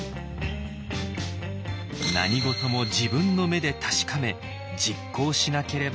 何事も自分の目で確かめ実行しなければ気が済まない。